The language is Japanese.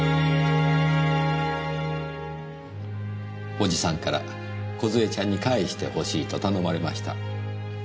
おじさんから梢ちゃんに返してほしいと頼まれました。